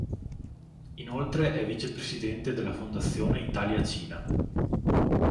Inoltre è Vice Presidente della Fondazione Italia-Cina.